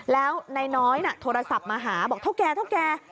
แล้วนายน้อยโทรศัพท์มาหาบอกเท่าแก่เท่าแก่